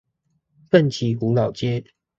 奮起湖老街